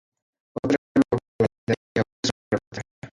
Otra vez vuelve a la vida, y ahora es una reportera.